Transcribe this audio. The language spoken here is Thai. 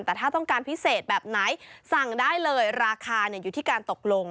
แต่ถ้าต้องการพิเศษแบบไหนสั่งได้เลยราคาอยู่ที่การตกลง